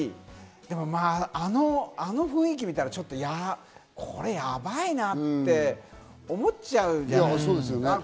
でもあの雰囲気を見たら、これやばいなって思っちゃうじゃない？